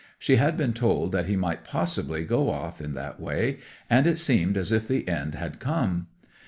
She had been told that he might possibly go off in that way, and it seemed as if the end had come.